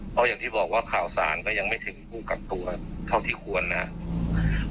เพราะอย่างที่บอกว่าข่าวสารก็ยังไม่ถึงผู้กักตัวเท่าที่ควรนะครับ